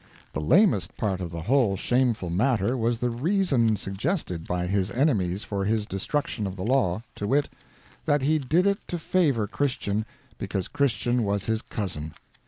The lamest part of the whole shameful matter was the reason suggested by his enemies for his destruction of the law, to wit: that he did it to favor Christian, because Christian was his cousin!